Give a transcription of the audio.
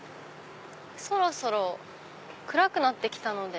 そろそろ暗くなってきたので。